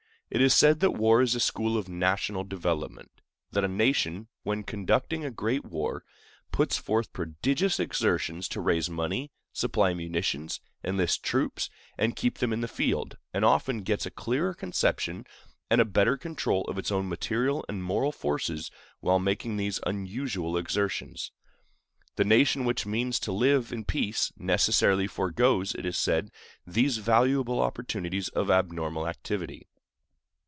It is said that war is a school of national development—that a nation, when conducting a great war, puts forth prodigious exertions to raise money, supply munitions, enlist troops, and keep them in the field, and often gets a clearer conception and a better control of its own material and moral forces while making these unusual exertions. The nation which means to live in peace necessarily foregoes, it is said, these valuable opportunities of abnormal activity.